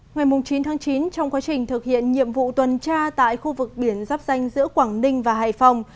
ngày chín tháng chín trong quá trình thực hiện nhiệm vụ tuần tra tại khu vực biển giáp danh giữa quảng ninh và hải phòng